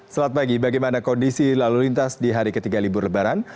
selamat pagi bagaimana kondisi lalu lintas di hari ketiga libur lebaran